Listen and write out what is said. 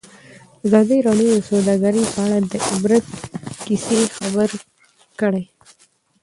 ازادي راډیو د سوداګري په اړه د عبرت کیسې خبر کړي.